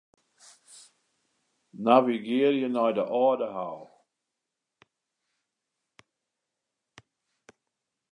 Navigearje nei de Aldehou.